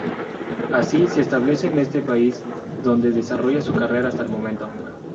Así, se establece en este país donde desarrolla su carrera hasta el momento.